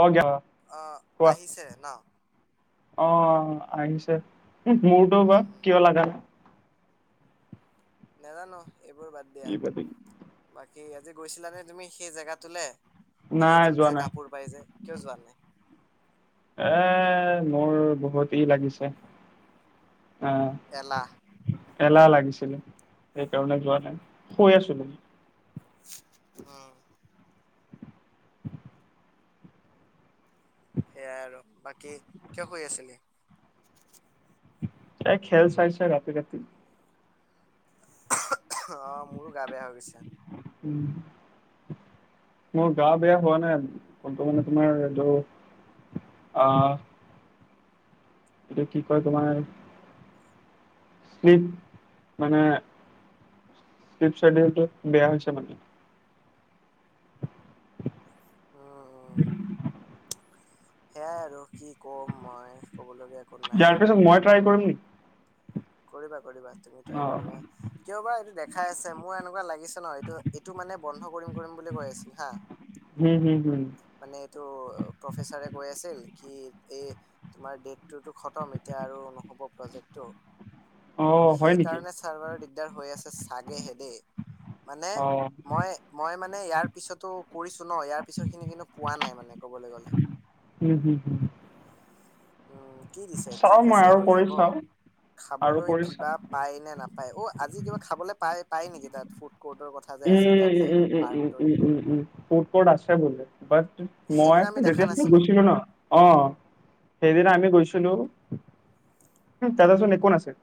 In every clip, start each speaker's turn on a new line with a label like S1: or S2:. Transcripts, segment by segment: S1: অ দিয়
S2: অ'
S1: কোৱা
S2: আহিছে ন?
S1: অহ আহিছে মূৰটো বা
S2: উম, উম।
S1: কিয় লগা নাই
S2: নাজানো এইবোৰ বাদ দিয়া
S1: কি পাতি
S2: বাদ সেই আজি গৈছিলানে তুমি সেই জেগাটোলে সেই
S1: নাই
S2: যত
S1: যোৱা
S2: যে
S1: নাই
S2: কাপোৰ পাইজে যোৱা নাই
S1: এ মোৰ বহুত ই লাগিছে অ
S2: এলাহ।
S1: এলাহ লাগিছে সেইকাৰণে যোৱা নাই শুই আছো
S2: আহ সেয়াই আৰু বাকী কিয় শুই আছিলি
S1: চ খেল চাই চাই ৰাতি ৰাতি
S2: আহ মোৰো গা বেয়া হৈ গৈছে
S1: উম মোৰ গা বেয়া হোৱা নাই কটো মানে তোমাৰ এইটো অ এতিয়া কি কয় তোমাৰ শলপ মানে [inaudible] শিৱসাৰদটো বেয়া হৈছে মানে [inaudible]
S2: অ
S1: উম
S2: সেয়াই আৰু কি ক'ম মই ক'বলগীয়া একো
S1: ইয়াৰ
S2: নাই
S1: পিছত মই ট্ৰাই কৰিম নেকি
S2: কৰিবা কৰিবা তুমি
S1: অ
S2: ট্ৰাই কৰিবা কিয় বাাৰ এইটো দেখাই আছে মোৰ এনেকুৱা লাগিছে ন এইটো এইটো মানে বন্ধ কৰিম কৰিম বুলি কৈ আছিল হা
S1: হম হম হম
S2: মানে এইটো প্ৰফেচাৰে কৈ আছিল কি এই তোমাৰ ডটটো খতম এতিয়া আৰু নহ'ব প্ৰজেক্টটো
S1: অ হয় নেকি
S2: সেইকাৰণে ছাৰ বাৰো দিগদাৰ হৈ আছে চাগেহে দেই মানে
S1: অ
S2: মই মই মানে ইয়াৰ পিছতো কৰিছো ন ইয়াৰ পিছৰ খিনি কিন্তু পোৱা নাই মানে কবলৈ গলে
S1: উম, হুম, হুম।
S2: উম কি দিছে
S1: চাও
S2: ঠিক
S1: মই
S2: আছে
S1: আৰু
S2: হৈ
S1: কৰি
S2: যাব
S1: চাও আৰু
S2: খাবলৈ
S1: কৰি চাম।
S2: কিবা পায় নে নাপায় পাই অ' আজি কিবা খাবলৈ পাই পায় নেকি তাত ফুড কৰ্টৰ কথা যে আছিল তাত
S1: উম
S2: যে
S1: উম উম উম
S2: পাৰ্কটোত
S1: উম উম উম উম উম ক'ত ক'ত আছে বলে বাট মই
S2: সেইদিনা আমি দেখা
S1: তেতিয়া
S2: নাছিলো
S1: গুছিলো ন অ সেইদিনা আমি গৈছিলো দাদা চোনোন আছিল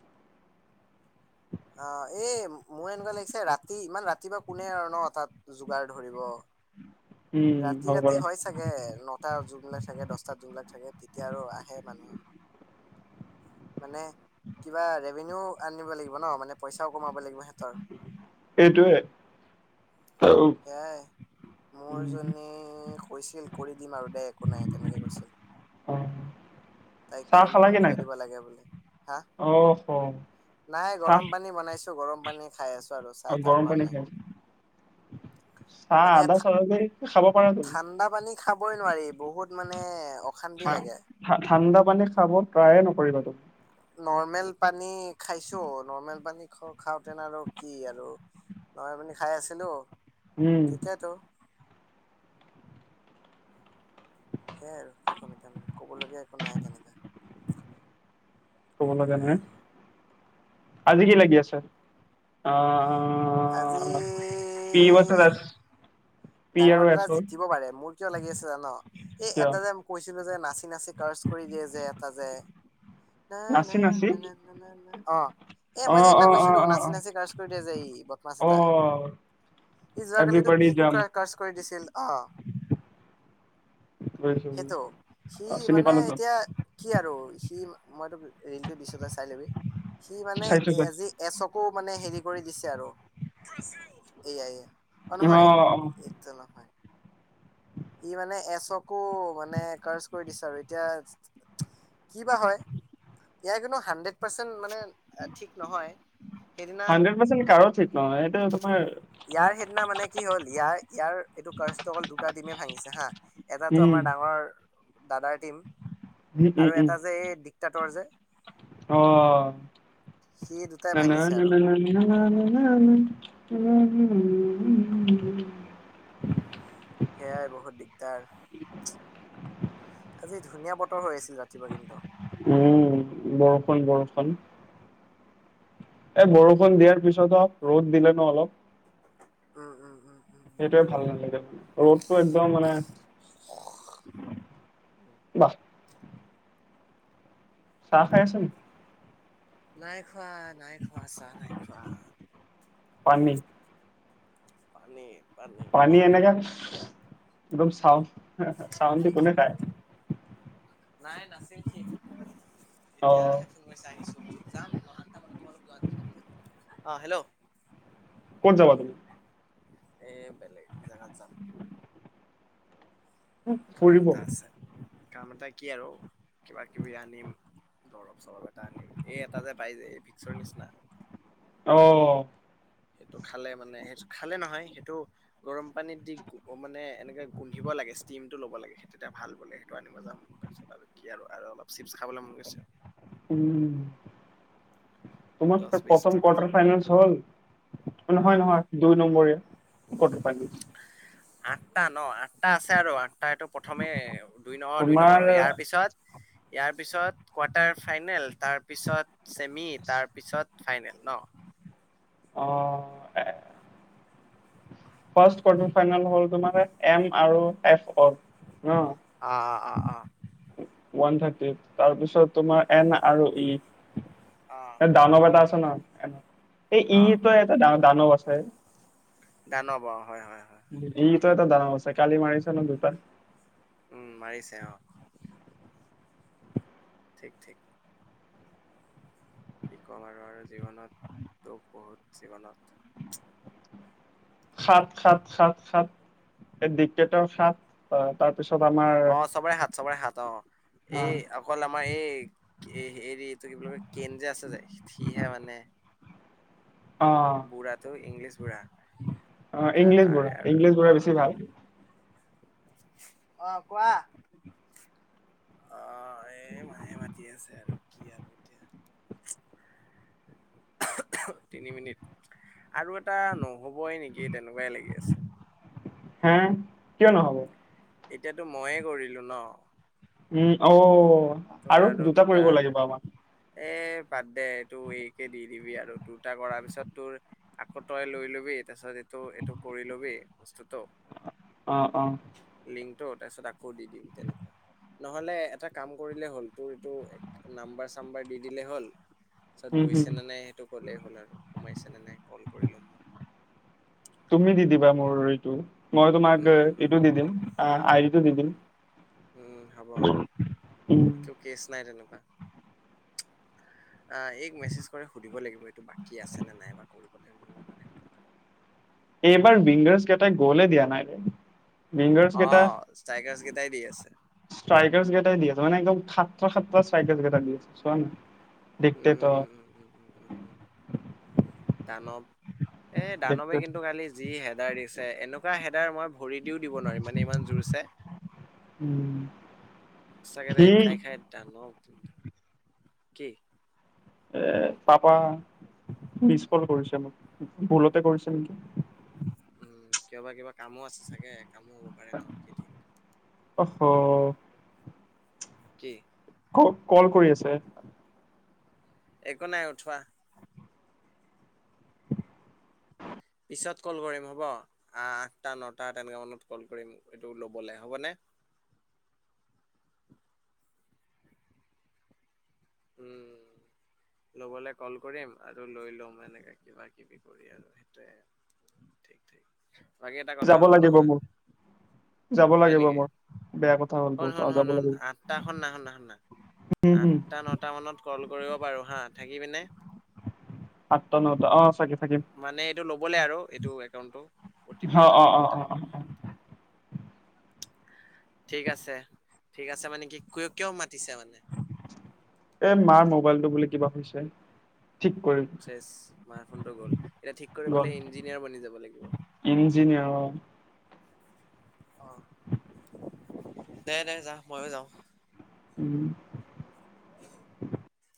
S2: অ এই মোৰ এনেকুৱা লাগিছে ৰাতি ইমান ৰাতিপুৱা কোনে আৰু ন তাত যোগাৰ ধৰিব
S1: উম,
S2: ৰাতি
S1: হ'ব
S2: ৰাতি
S1: বাৰু
S2: হয় চাগে নটা যোনবিলাক থাকে দছটাাত যোনবলাক থাকে তেতিয়া আৰু আহে মানুহে মানে কিবা ৰেভিনিউ আনিব লাগিব ন' মানে পইচাও কমাব লাগিব সিহঁতৰ।
S1: এইটোৱে।
S2: এয়াই মোৰ
S1: উম।
S2: জনী কৈছিল কৰি দিম আৰু দে একো নাই তেনেকে কৈছিল।
S1: অ
S2: তাইক
S1: চাহ
S2: কিবা
S1: খালা
S2: মম'
S1: কি নাই
S2: খাই দিব লাগে বোলে। হা,
S1: অ' হ
S2: নাই গৰম পানী বনাই খাইছোঁ গৰম পানী খাই আছোঁ।
S1: আৰু গৰম পানী খাই,
S2: মানে
S1: চাহ আধা
S2: ঠা-
S1: চাল' যদি
S2: ঠাণ্ডা পানী খাবই নোৱাৰি, বহুত মানে অশান্তি লাগে।
S1: তুমি খাব ট্ৰায়ে নকৰিবা। তুমি
S2: নৰ্মেল পানী খাইছোঁ। নৰ্মেল পানী খাওঁতে নো আৰু কি আৰু। নৰ্মেল পানী খাই আছিলোঁ।
S1: উম,
S2: তেতিয়াতো সেইয়াই আৰু কি ক'ম তাৰমানে কবলগীয়া একো নাই তেনেকা।
S1: ক'বলগা নাই? আজি কি লাগি আছে? আ আ,
S2: আজি
S1: পি ৱাটাৰ ৰাইচ।
S2: ডাঙৰ দাদা জিকিব পাৰে। মোৰ কিয় লাগি আছে জান' এই
S1: কিয়
S2: এটা যে কৈছিলোঁ যে নাচি নাচি কাৰ কৰি দিয়ে যে এটা যে। না না
S1: নাচি নাচি
S2: নানা না, অ'। এ,
S1: অ
S2: মই
S1: অ
S2: সেইদিনা
S1: অ
S2: গৈছিলোঁ,
S1: অ
S2: নাচি নাচি
S1: অ
S2: কাজ কৰি দিয়া যে এই বদমাছ
S1: অ
S2: এটা। ই যোৱাকালিটো
S1: এভৰিবডি
S2: বিহকো
S1: জাম্প
S2: কাজ কৰি দিছিল। অ'।
S1: বুজিছো
S2: সেইটো।
S1: বুজিছো
S2: সি
S1: চিনি
S2: মানে
S1: পালোতো
S2: এতিয়া কি আৰু সি মইতো ৰিলটো দিছোঁ তই চাই লবি। সি মানে
S1: চাইছো
S2: আজি এচকো মানে হেৰি কৰি দিছে আৰু। এয়া এয়া। অ'
S1: চাইছো
S2: নহয়
S1: অ
S2: এইটো নহয়। ই মানে এচকো মানে কাচ কৰি দিছে আৰু এতিয়া। কি বা হয়। ইয়াৰ কিন্তু হাড্ৰডপাৰ্চেন্ট মানে আহ, ঠিক নহয় সেইদিনা
S1: হড্ৰেডপাৰ্চেণ্ট কৰোঁ ঠিক নহয়। এইটো তোমাৰ
S2: ইয়াৰ সেইদিনা মানে কি হ'ল, ইয়াৰ ইয়াৰ এইটো কাষ্টৰ অকল দুটা টিমে ভাঙিছে হা, এটাটো
S1: উম
S2: আমাৰ ডাঙৰ দাদাৰ টিম
S1: উম উম
S2: আৰু
S1: উম
S2: এটা যে এই ডিকটাতৰ যে সি দুটাই
S1: নানা
S2: ভাঙিছে আৰু
S1: নানা না লনা নানা নানা নানা [unintelligible]
S2: সেয়াই বহুত দিগদাৰ।
S1: [inaudible]
S2: আজি ধুনীয়া বতৰ হৈ আছিল ৰাতিপুৱা কিন্তু।
S1: উম, বৰষুণ বৰষুণ। এ, বৰষুণ দিয়াৰ পিছত হে ৰ'দ দিলে ন' অলপ?
S2: উম, উম। উম উম উম
S1: সেইটোৱে ভাল নালাগে। ৰ'দটো একদম মানে বাহ। চাহ খাই আছ নি?
S2: নাই খোৱা, নাই খোৱা চাহ নাই খোৱা।
S1: পানী
S2: পানী
S1: পানী এনেকা, একদম চাউণ্ড। চাউন্ড দি কোনে খাই আছে?
S2: নাই নাছিল শেষ,
S1: অ
S2: এতিয়াহে ফোন কৰি চাই আহিছোঁ বুলি যাম ধৰ আঠটামানত। অ' হেল্ল'।
S1: ক'ত যাবা তুমি?
S2: এ, বেলেগ জেগাত যাম। কাম
S1: ফুৰিব
S2: এটা আছে। কাম এটা কি আৰু কিবা কিবি আনিম দৰৱ চল এটা আনিম। এই এটা যে পাই যে এই বিক্সৰ নিচিনা।
S1: অ
S2: সেইটো খালে মানে সেই খালে নহয় সেইটো গৰম পানীত দি মানে এনেকে গোন্ধিব ল ষ্টিমটো লব লাগে তেতি ভাল বোলে সেইটো আনিব যাম তাৰিছত আৰু কি আৰু অলপ চিপছ খাব মন গৈছে
S1: উম
S2: দহ
S1: তোমাৰ
S2: বিশ
S1: প্ৰথম
S2: টকা
S1: কোৱাৰাৰ্টাৰ
S2: থাকিলে
S1: ফাইনল হল
S2: অ
S1: নহয় নহয় দুই নম্বৰে কত প
S2: আঠটা ন আঠটা আছে আৰু আঠ এইটো প্ৰথমে দুই নম দুই নম্বৰ
S1: তোমাৰ
S2: ইয়াৰ পিছত ইয়াৰ পিছত কোৱাৰ্টাৰ ফাইনেল তাৰপিছত চছেমি তাৰপিছত ফাইনেল ন
S1: অ ফাৰ্ষ কোৱাৰ্টাৰ ফাইনেল হ'ল তোমাৰ এম আৰু এফ অ
S2: অ অ অ অ
S1: ওান থাৰট তাৰপিছত তোমাৰ এন আৰু ই
S2: অ
S1: ডনৰ এটা ন এই
S2: অ
S1: ইটো এটা ডা দানৱ আছে
S2: গান হব
S1: ইটো এটা দান আছে কালি মাৰিছে ন দুটাাৰ
S2: উম মাৰিছে অ ঠিক ঠিক কি ক'ম আৰু আৰু জীৱনত দুখ বহুত জীৱনত
S1: খাত খাত খাত খাত এই ডটৰ খাত তাৰ
S2: অ চবৰে হাত চবৰে হাত অ এই অকল আমাৰ এই হেৰিটো কি বুলি কয় কেন যেে আছে যে সিহে মানে
S1: অ
S2: বুঢ়াটোো ইংলিছ বুঢ়া
S1: অ
S2: ত
S1: ইংলিছ
S2: তাৰে
S1: বুঢ়া ইংলিছ বুঢ়া বেছি ভাল
S2: আহ কোৱা অ এই মাহে মাতি আছে আৰু কি আৰু এতিয়া তিনি মিনিট আৰু এটা ন হ'বই নেকি তেনেকুৱাই লাগি আছে
S1: হা কিয় নহব
S2: এতিয়াতো মইয়ে কৰিলো ন
S1: উম অ আৰু দুটা কৰিব লাগিব আমাক
S2: এ বাদ দে তোৰ এইকে দি দিবি আৰু দুটা কৰাৰ পিছত তোৰ আকৌ তই লৈ লবি তাৰছত এইটো এইটো কৰি লবিেই বস্তুতটো
S1: অ অ
S2: ং তাৰপিছ আকৌ দি দিম তেনেকুৱা নহলে এটা কাম কৰিলে হ'ল তোৰ এইটো নাম্বাৰ চাম্বাৰ দি দিলে হ'ল তাৰিছত
S1: উম হম
S2: গৈছে নে নাই সেইটো ক'লেই হ'ল আৰু সোমাইছে নে নাই কল কৰি ল'ম মই
S1: তুমি দি দিবা মোৰ এইটো মই তোমাক
S2: উম উম উম
S1: এইটো
S2: উম
S1: দি দিম
S2: উম
S1: আইৰিটো
S2: উম
S1: দি দিম
S2: উম হ'ব একো কেছ নাই তেনেকুৱা অ এক মেছেজ কৰে সুধিব লাগিব এইটো বাকী আছে নে নাই বা কৰিব লাগ মোৰ মানে [inaudible]
S1: এইবাৰ উংগাৰছ কেইটাই গ'লে দিয়া নাইৰে বিংগ
S2: অ
S1: কেইটা
S2: ষ্টাইকাৰ্চ কেইটাই দি আছে
S1: ষ্ট্ৰাইক কেইটা এ দিয়া তাৰানে একদম খাত্ৰ খাত্ৰ চাই জটা দি আছে চোৱা নাই ডিকট
S2: উম
S1: ত
S2: উম উম উম উম উম উম উম। দানৱ এ দানৱে
S1: তো
S2: কিন্তু কালি যি হেদাৰ দিছে এনেকুৱা হেদাৰ মই ভৰি দিও দিব নোৱাৰিম মানে ইমান জোৰ চ
S1: উম,
S2: চাকেৰে
S1: সি
S2: খাই খাই ডান কি
S1: এ পাপা মছকল কৰিছে আ মাক ভুলতে কৰিছে নেকি
S2: উম, কিয় বা কিয় বা কামো আছে চাগে কামো হ'ব পাৰে ন কি ঠিক।
S1: অ'।
S2: কি?
S1: ক কল কৰি আছে।
S2: একো নাই উঠোৱা। পিছত কল কৰিম হ'ব আঠটা নটা তেনেকুৱা মানত কল কৰিম এইটো ল'বলৈ হ'বনে? উম। ল'বলে কল কৰিম আৰু লৈ লম এনেকে কিবা কিবি কৰি আৰু সেইটোয়ে। ঠিক ঠিক বাকী এটা
S1: যাব
S2: কথা হ'ল
S1: লাগিব
S2: নহয়।
S1: মোৰ যাব
S2: হয়
S1: লাগিব
S2: নেকি
S1: মই বেয়া কথা হ'ল
S2: শুন
S1: বহুত
S2: শুন শুন
S1: যাব
S2: শুন
S1: লাগিব।
S2: আঠটা শুনা শুনা শুনা
S1: হম হম
S2: আঠটা নটা মানত কল কৰিব পাৰো হা থাকিবিনে?
S1: আঠতা নটা অ' থাকিম।
S2: মানে এইটো ল'বলে আৰু এইটো একাউণ্টো অটি পি
S1: অ
S2: এটা
S1: অ
S2: যাব
S1: অ অ অ অ।
S2: তেনেকুৱাকে আৰু। [inaudible] ঠিক আছে ঠিক আছে মানে কি ক কিয় মা
S1: এ মাৰ মোবাইলটো বুলি কিবা হৈছে। ঠিক কৰি
S2: মাৰ ফোনটো গ'ল এতিয়া ঠিক কৰি
S1: গ'ল
S2: পেলাই ইঞ্জিনিয়াৰ বনি যাব লাগিব।
S1: অহ।
S2: অ'। দে দে যা ময়ো যাওঁ।
S1: উম।